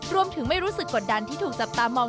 รู้สึกไม่รู้สึกกดดันที่ถูกจับตามอง